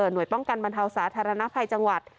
โดยป้องกันบรรเทาสาธารณภัยจังหวัด